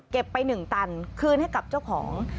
เก็บไปหนึ่งตันคืนให้กับเจ้าของ